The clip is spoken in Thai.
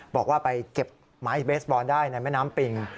บอกว่าไปเก็บไม้เบสบอลได้ในแม่น้ำปิง